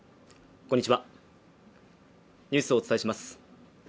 こんにちはニュースをお伝えします